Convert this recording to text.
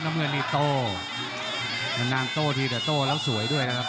น้ำเงินนี่โตมันนางโต้ดีแต่โต้แล้วสวยด้วยนะครับ